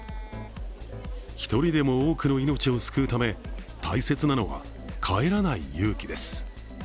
１人でも多くの命を救うため大切なのは帰らない勇気です。